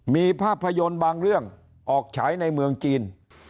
มีภาพยนตร์บางเรื่องออกฉายในเมืองจีน